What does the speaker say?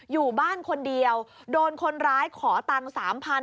อยู่บ้านคนเดียวโดนคนร้ายขอตังค์๓๐๐๐